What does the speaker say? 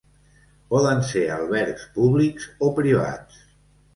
Poden ser albergs públics o privats.